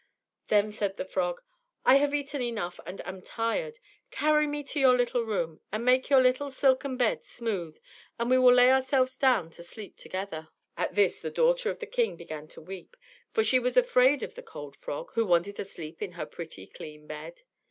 Then said the frog, "I have eaten enough, and am tired; carry me to your little room, and make your little silken bed smooth, and we will lay ourselves down to sleep together." At this the daughter of the king began to weep; for she was afraid of the cold frog, who wanted to sleep in her pretty clean bed.